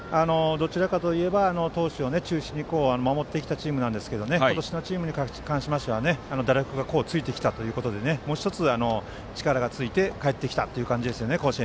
どちらかというと投手を中心に守ってきたチームなんですけど今年のチームに関しては打力もついてきたということでもう１つ、力をつけて甲子園に帰ってきたという感じですよね。